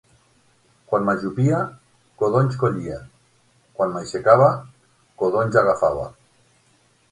Quan m’ajupia, codonys collia. Quan m’aixecava, codonys agafava.